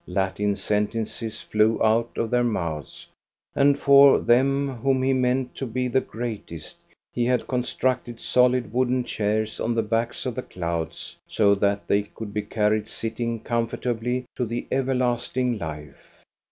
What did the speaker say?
Latin sentences flew out of their mouths ; and for them whom he meant to be the greatest, he had constructed solid wooden chairs on the backs of the clouds, so that they could be carried sitting comfortably to the everlasting life.